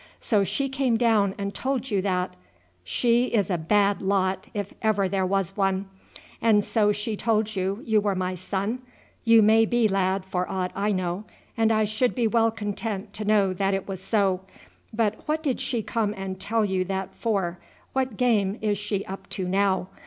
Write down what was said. So she came down and told you that. She is a bad lot, if ever there was one. And so she told you you were my son? You may be, lad, for aught I know; and I should be well content to know that it was so. But what did she come and tell you that for? What game is she up to now?